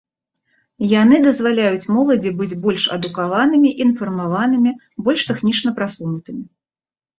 Яны дазваляюць моладзі быць больш адукаванымі, інфармаванымі, больш тэхнічна прасунутымі.